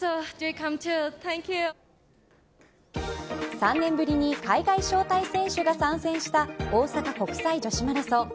３年ぶりに海外招待選手が参戦した大阪国際女子マラソン。